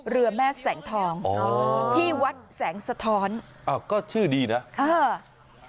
เรือแม่แสงทองอ๋อที่วัดแสงสะท้อนอ้าวก็ชื่อดีนะค่ะ